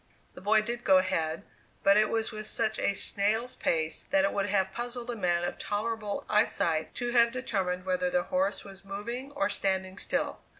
The boy did go ahead, but it was with such a snail's pace that it would have puzzled a man of tolerable eyesight to have determined whether the horse was moving or standing still.